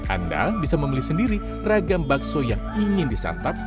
anda bisa membeli sendiri ragam bakso yang ingin disantap